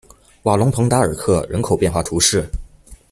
瓦龙蓬达尔克人口变化图示